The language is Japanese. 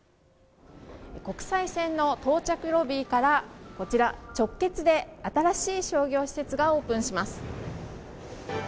国際線の到着ロビーからこちら直結で新しい商業施設がオープンします。